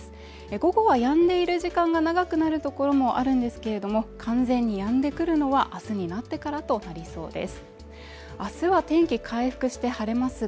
午後は止んでいる時間が長くなるところもあるんですけれども、完全にやんでくるのは明日になってからとなりそうです。